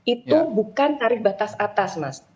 itu bukan tarif batas atas mas